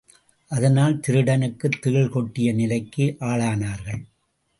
அதனால் திருடனுக்குத் தேள் கொட்டிய நிலைக்கு ஆளானார்கள்.